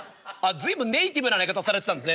随分ネイティブな寝方されてたんですね。